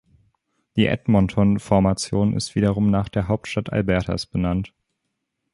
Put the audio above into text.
Die Edmonton-„Formation“ ist wiederum nach der Hauptstadt Albertas benannt.